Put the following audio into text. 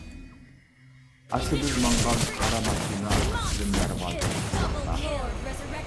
ئاشۇ بىز ماڭغان قارا ماشىنا ئارقىسىدىن دەرۋازىغا چىقماقتا.